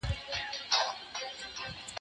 زه اوس بوټونه پاکوم!؟